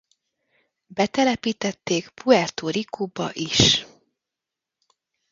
Betelepítették Puerto Ricoba is.